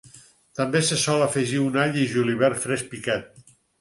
També se sol afegir un all i julivert fresc picat.